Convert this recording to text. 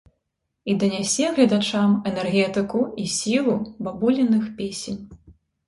І данясе гледачам энергетыку і сілу бабуліных песень.